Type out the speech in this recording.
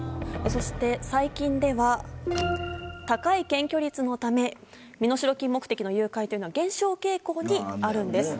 そして最近では高い検挙率のため身代金目的の誘拐というのは減少傾向にあるんです。